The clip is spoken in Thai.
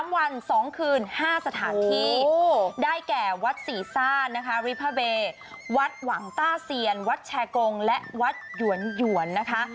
๓วัน๒คืน๕สถานที่ได้แก่วัดศรีซ่านนะคะริพเบวัดหวังต้าเซียนวัดแชร์กงและวัดหยวนนะคะ